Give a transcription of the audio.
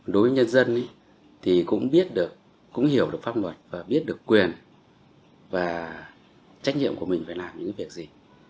đối với nhân dân thì cũng biết được cũng hiểu được pháp luật và biết được quyền và trách nhiệm của mình phải làm những việc gì